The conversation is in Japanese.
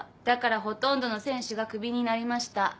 だからほとんどの選手が首になりました。